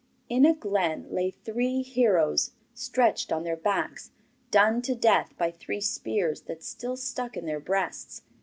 In a glen lay three heroes stretched on their backs, done to death by three spears that still stuck in their breasts.